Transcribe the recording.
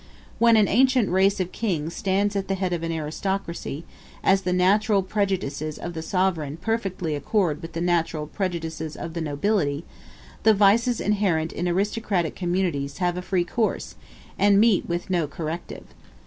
When an ancient race of kings stands at the head of an aristocracy, as the natural prejudices of the sovereign perfectly accord with the natural prejudices of the nobility, the vices inherent in aristocratic communities have a free course, and meet with no corrective.